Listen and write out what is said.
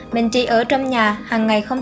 mình chỉ ở trong nhà hằng ngày không